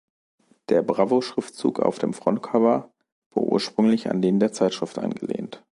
Der "Bravo"-Schriftzug auf dem Frontcover war ursprünglich an den der Zeitschrift angelehnt.